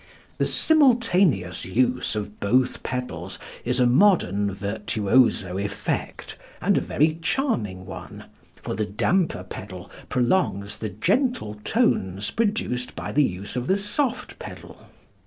The simultaneous use of both pedals is a modern virtuoso effect and a very charming one, for the damper pedal prolongs the gentle tones produced by the use of the soft pedal.